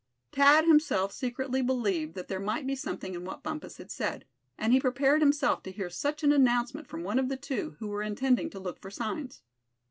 Thad himself secretly believed that there might be something in what Bumpus had said; and he prepared himself to hear such an announcement from one of the two who were intending to look for signs.